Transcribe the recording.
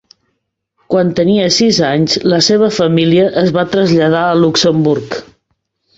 Quan tenia sis anys, la seva família es va traslladar a Luxemburg.